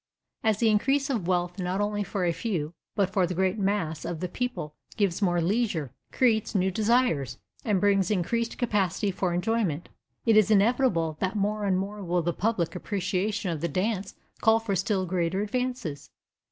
As the increase of wealth, not only for a few, but for the great mass of the people, gives more leisure, creates new desires, and brings increased capacity for enjoyment, it is inevitable that more and more will the public appreciation of the dance call for still greater advances.